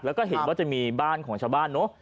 แล้วก็เห็นว่าจะมีบ้านของชาวบ้านเนอะ